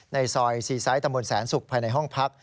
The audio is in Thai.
ในซอย๔ซ้ายตศศุกร์ภายในห้องพัก